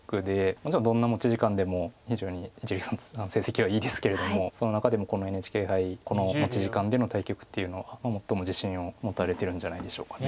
もちろんどんな持ち時間でも非常に一力さん成績はいいですけれどもその中でもこのＮＨＫ杯この持ち時間での対局っていうのは最も自信を持たれてるんじゃないでしょうか。